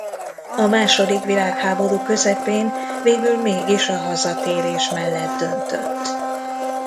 A második világháború közepén végül mégis a hazatérés mellett döntött.